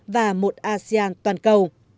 và một asean toàn cầu